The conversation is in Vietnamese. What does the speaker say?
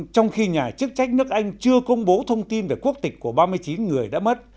trong khi nhà chức trách nước anh chưa công bố thông tin về quốc tịch của ba mươi chín người đã mất